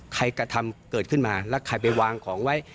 กระทำเกิดขึ้นมาแล้วใครไปวางของไว้